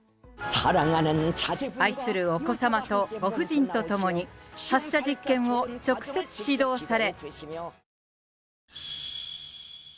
愛するお子様とご夫人と共に、発射実験を直接指導され。